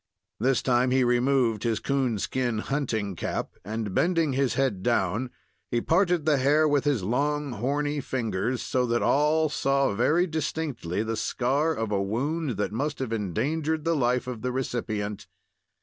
This time he removed his coon skin hunting cap and bending his head down, he parted the hair with his long, horny fingers, so that all saw very distinctly the scar of a wound that must have endangered the life of the recipient.